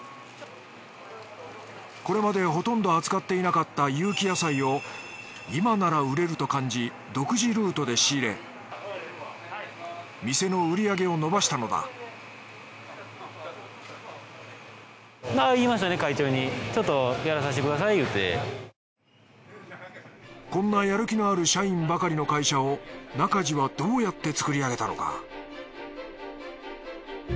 これまでほとんど扱っていなかった有機野菜を今なら売れると感じ独自ルートで仕入れ店の売り上げを伸ばしたのだこんなやる気のある社員ばかりの会社を中路はどうやって作り上げたのか？